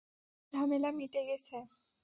আমাদের ঝামেলা মিটে গেছে।